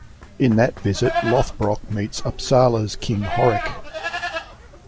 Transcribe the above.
In that visit Lothbrok meets Uppsala's King Horik.